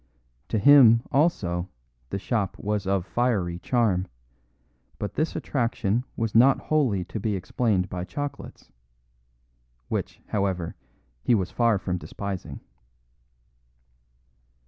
To him, also, the shop was of fiery charm, but this attraction was not wholly to be explained by chocolates; which, however, he was far from despising.